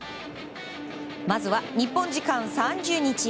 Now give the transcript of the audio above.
まずは日本時間３０日